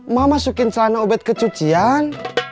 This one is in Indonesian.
ma masukin celana ubet ke cucian